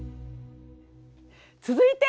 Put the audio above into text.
続いて！